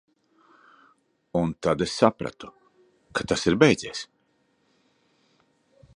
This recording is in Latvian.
Un tad es sapratu, ka tas ir beidzies.